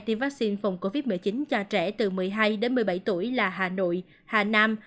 tiêm vaccine phòng covid một mươi chín cho trẻ từ một mươi hai đến một mươi bảy tuổi là hà nội hà nam